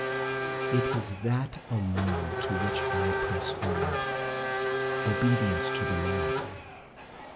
"It is that alone to which I press forward obedience to the law.